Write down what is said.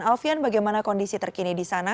alfian bagaimana kondisi terkini di sana